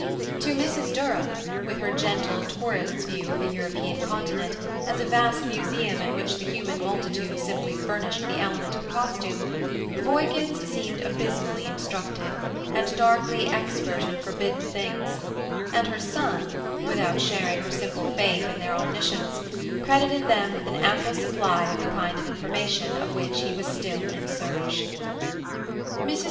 To Mrs. Durham, with her gentle tourist's view of the European continent, as a vast Museum in which the human multitudes simply furnished the element of costume, the Boykins seemed abysmally instructed, and darkly expert in forbidden things; and her son, without sharing her simple faith in their omniscience, credited them with an ample supply of the kind of information of which he was in search. Mrs.